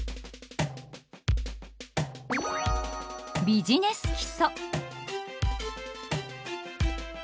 ビジネス基礎。